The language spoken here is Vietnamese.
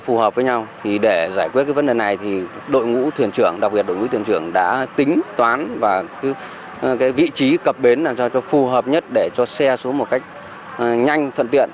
phù hợp với nhau để giải quyết vấn đề này đội ngũ thuyền trưởng đã tính toán và vị trí cập bến làm cho phù hợp nhất để cho xe xuống một cách nhanh thuận tiện